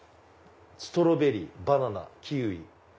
ストロベリーバナナキウイ。